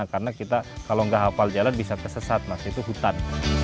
karena kita kalau nggak hafal jalan bisa kesesat maksudnya itu hutan